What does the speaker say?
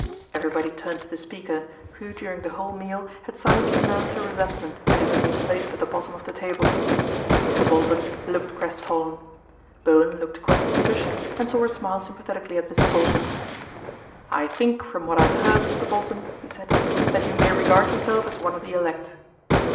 Everybody turned to the speaker, who during the whole meal had silently nursed her resentment at having been placed at the bottom of the table. Mr. Bolton looked crestfallen. Bowen looked across at Patricia and saw her smile sympatheti cally at Mr. Bolton. " I think from what I have heard, Mr. Bolton," he said, " that you may regard yourself as one of the elect."